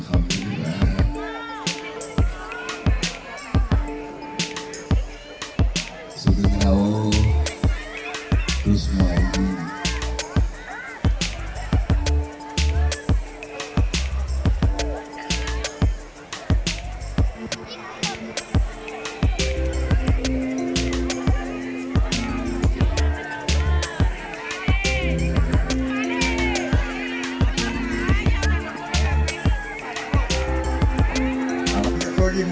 om salamu alaykum